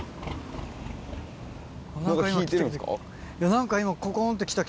何か今。